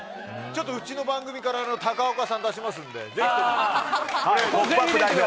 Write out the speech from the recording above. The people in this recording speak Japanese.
うちの番組から高岡さん出しますので、ぜひ。